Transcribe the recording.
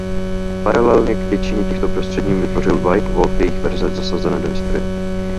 Paralelně k většině těchto prostředím vytvořil White Wolf jejich verze zasazené do historie.